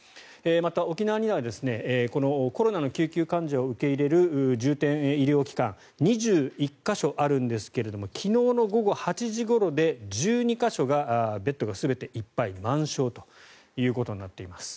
また、沖縄にはコロナの救急患者を受け入れる重点医療機関が２１か所あるんですが昨日午後８時ごろで１２か所がベッドが全ていっぱい満床ということになっています。